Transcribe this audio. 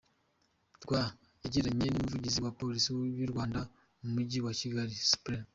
rw yagiranye n’umuvugizi wa Polisi y’u Rwanda mu mujyi wa Kigali; Sup.